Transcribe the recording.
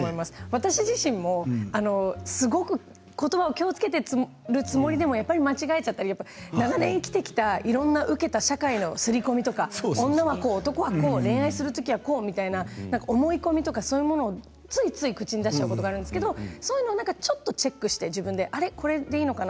私自身もすごくことばを気をつけているつもりでもやっぱり間違えちゃったり長年生きてきた、いろんな受けた社会のすり込みとか女はこう、男はこう恋愛するときはこうという思い込みとかそういうものをついつい口に出しちゃうことがあるんですけどちょっとチェックして自分でこれでいいのかな